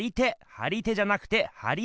張り手じゃなくて貼り絵です！